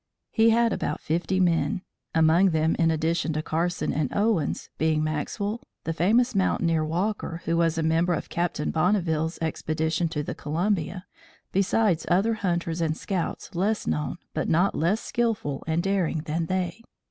He had about fifty men, among them in addition to Carson and Owens, being Maxwell, the famous mountaineer, Walker who was a member of Captain Bonneville's expedition to the Columbia, besides other hunters and scouts less known but not less skilful and daring than they.